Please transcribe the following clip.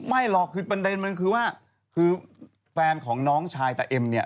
ไม่หรอกคือประเด็นมันคือว่าคือแฟนของน้องชายตาเอ็มเนี่ย